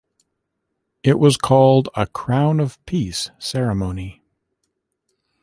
It was called a "Crown of Peace" ceremony.